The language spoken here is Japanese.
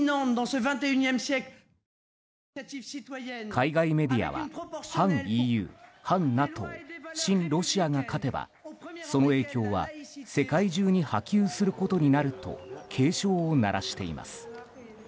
海外メディアは反ＥＵ、反ＮＡＴＯ親ロシアが勝てば、その影響は世界中に波及することになると警鐘を鳴らしています。